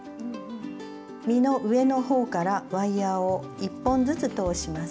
実の上のほうからワイヤーを１本ずつ通します。